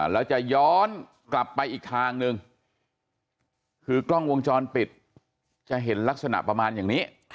แล้วจะย้อนกลับไปอีกทางนึงคือกล้องวงจรปิดจะเห็นลักษณะประมาณอย่างนี้